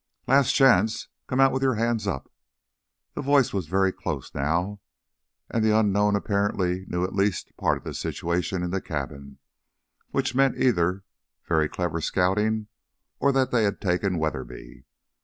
"Last chance ... come out with your hands up!" The voice was very close now. And the unknown apparently knew at least part of the situation in the cabin. Which meant either very clever scouting, or that they had taken Weatherby.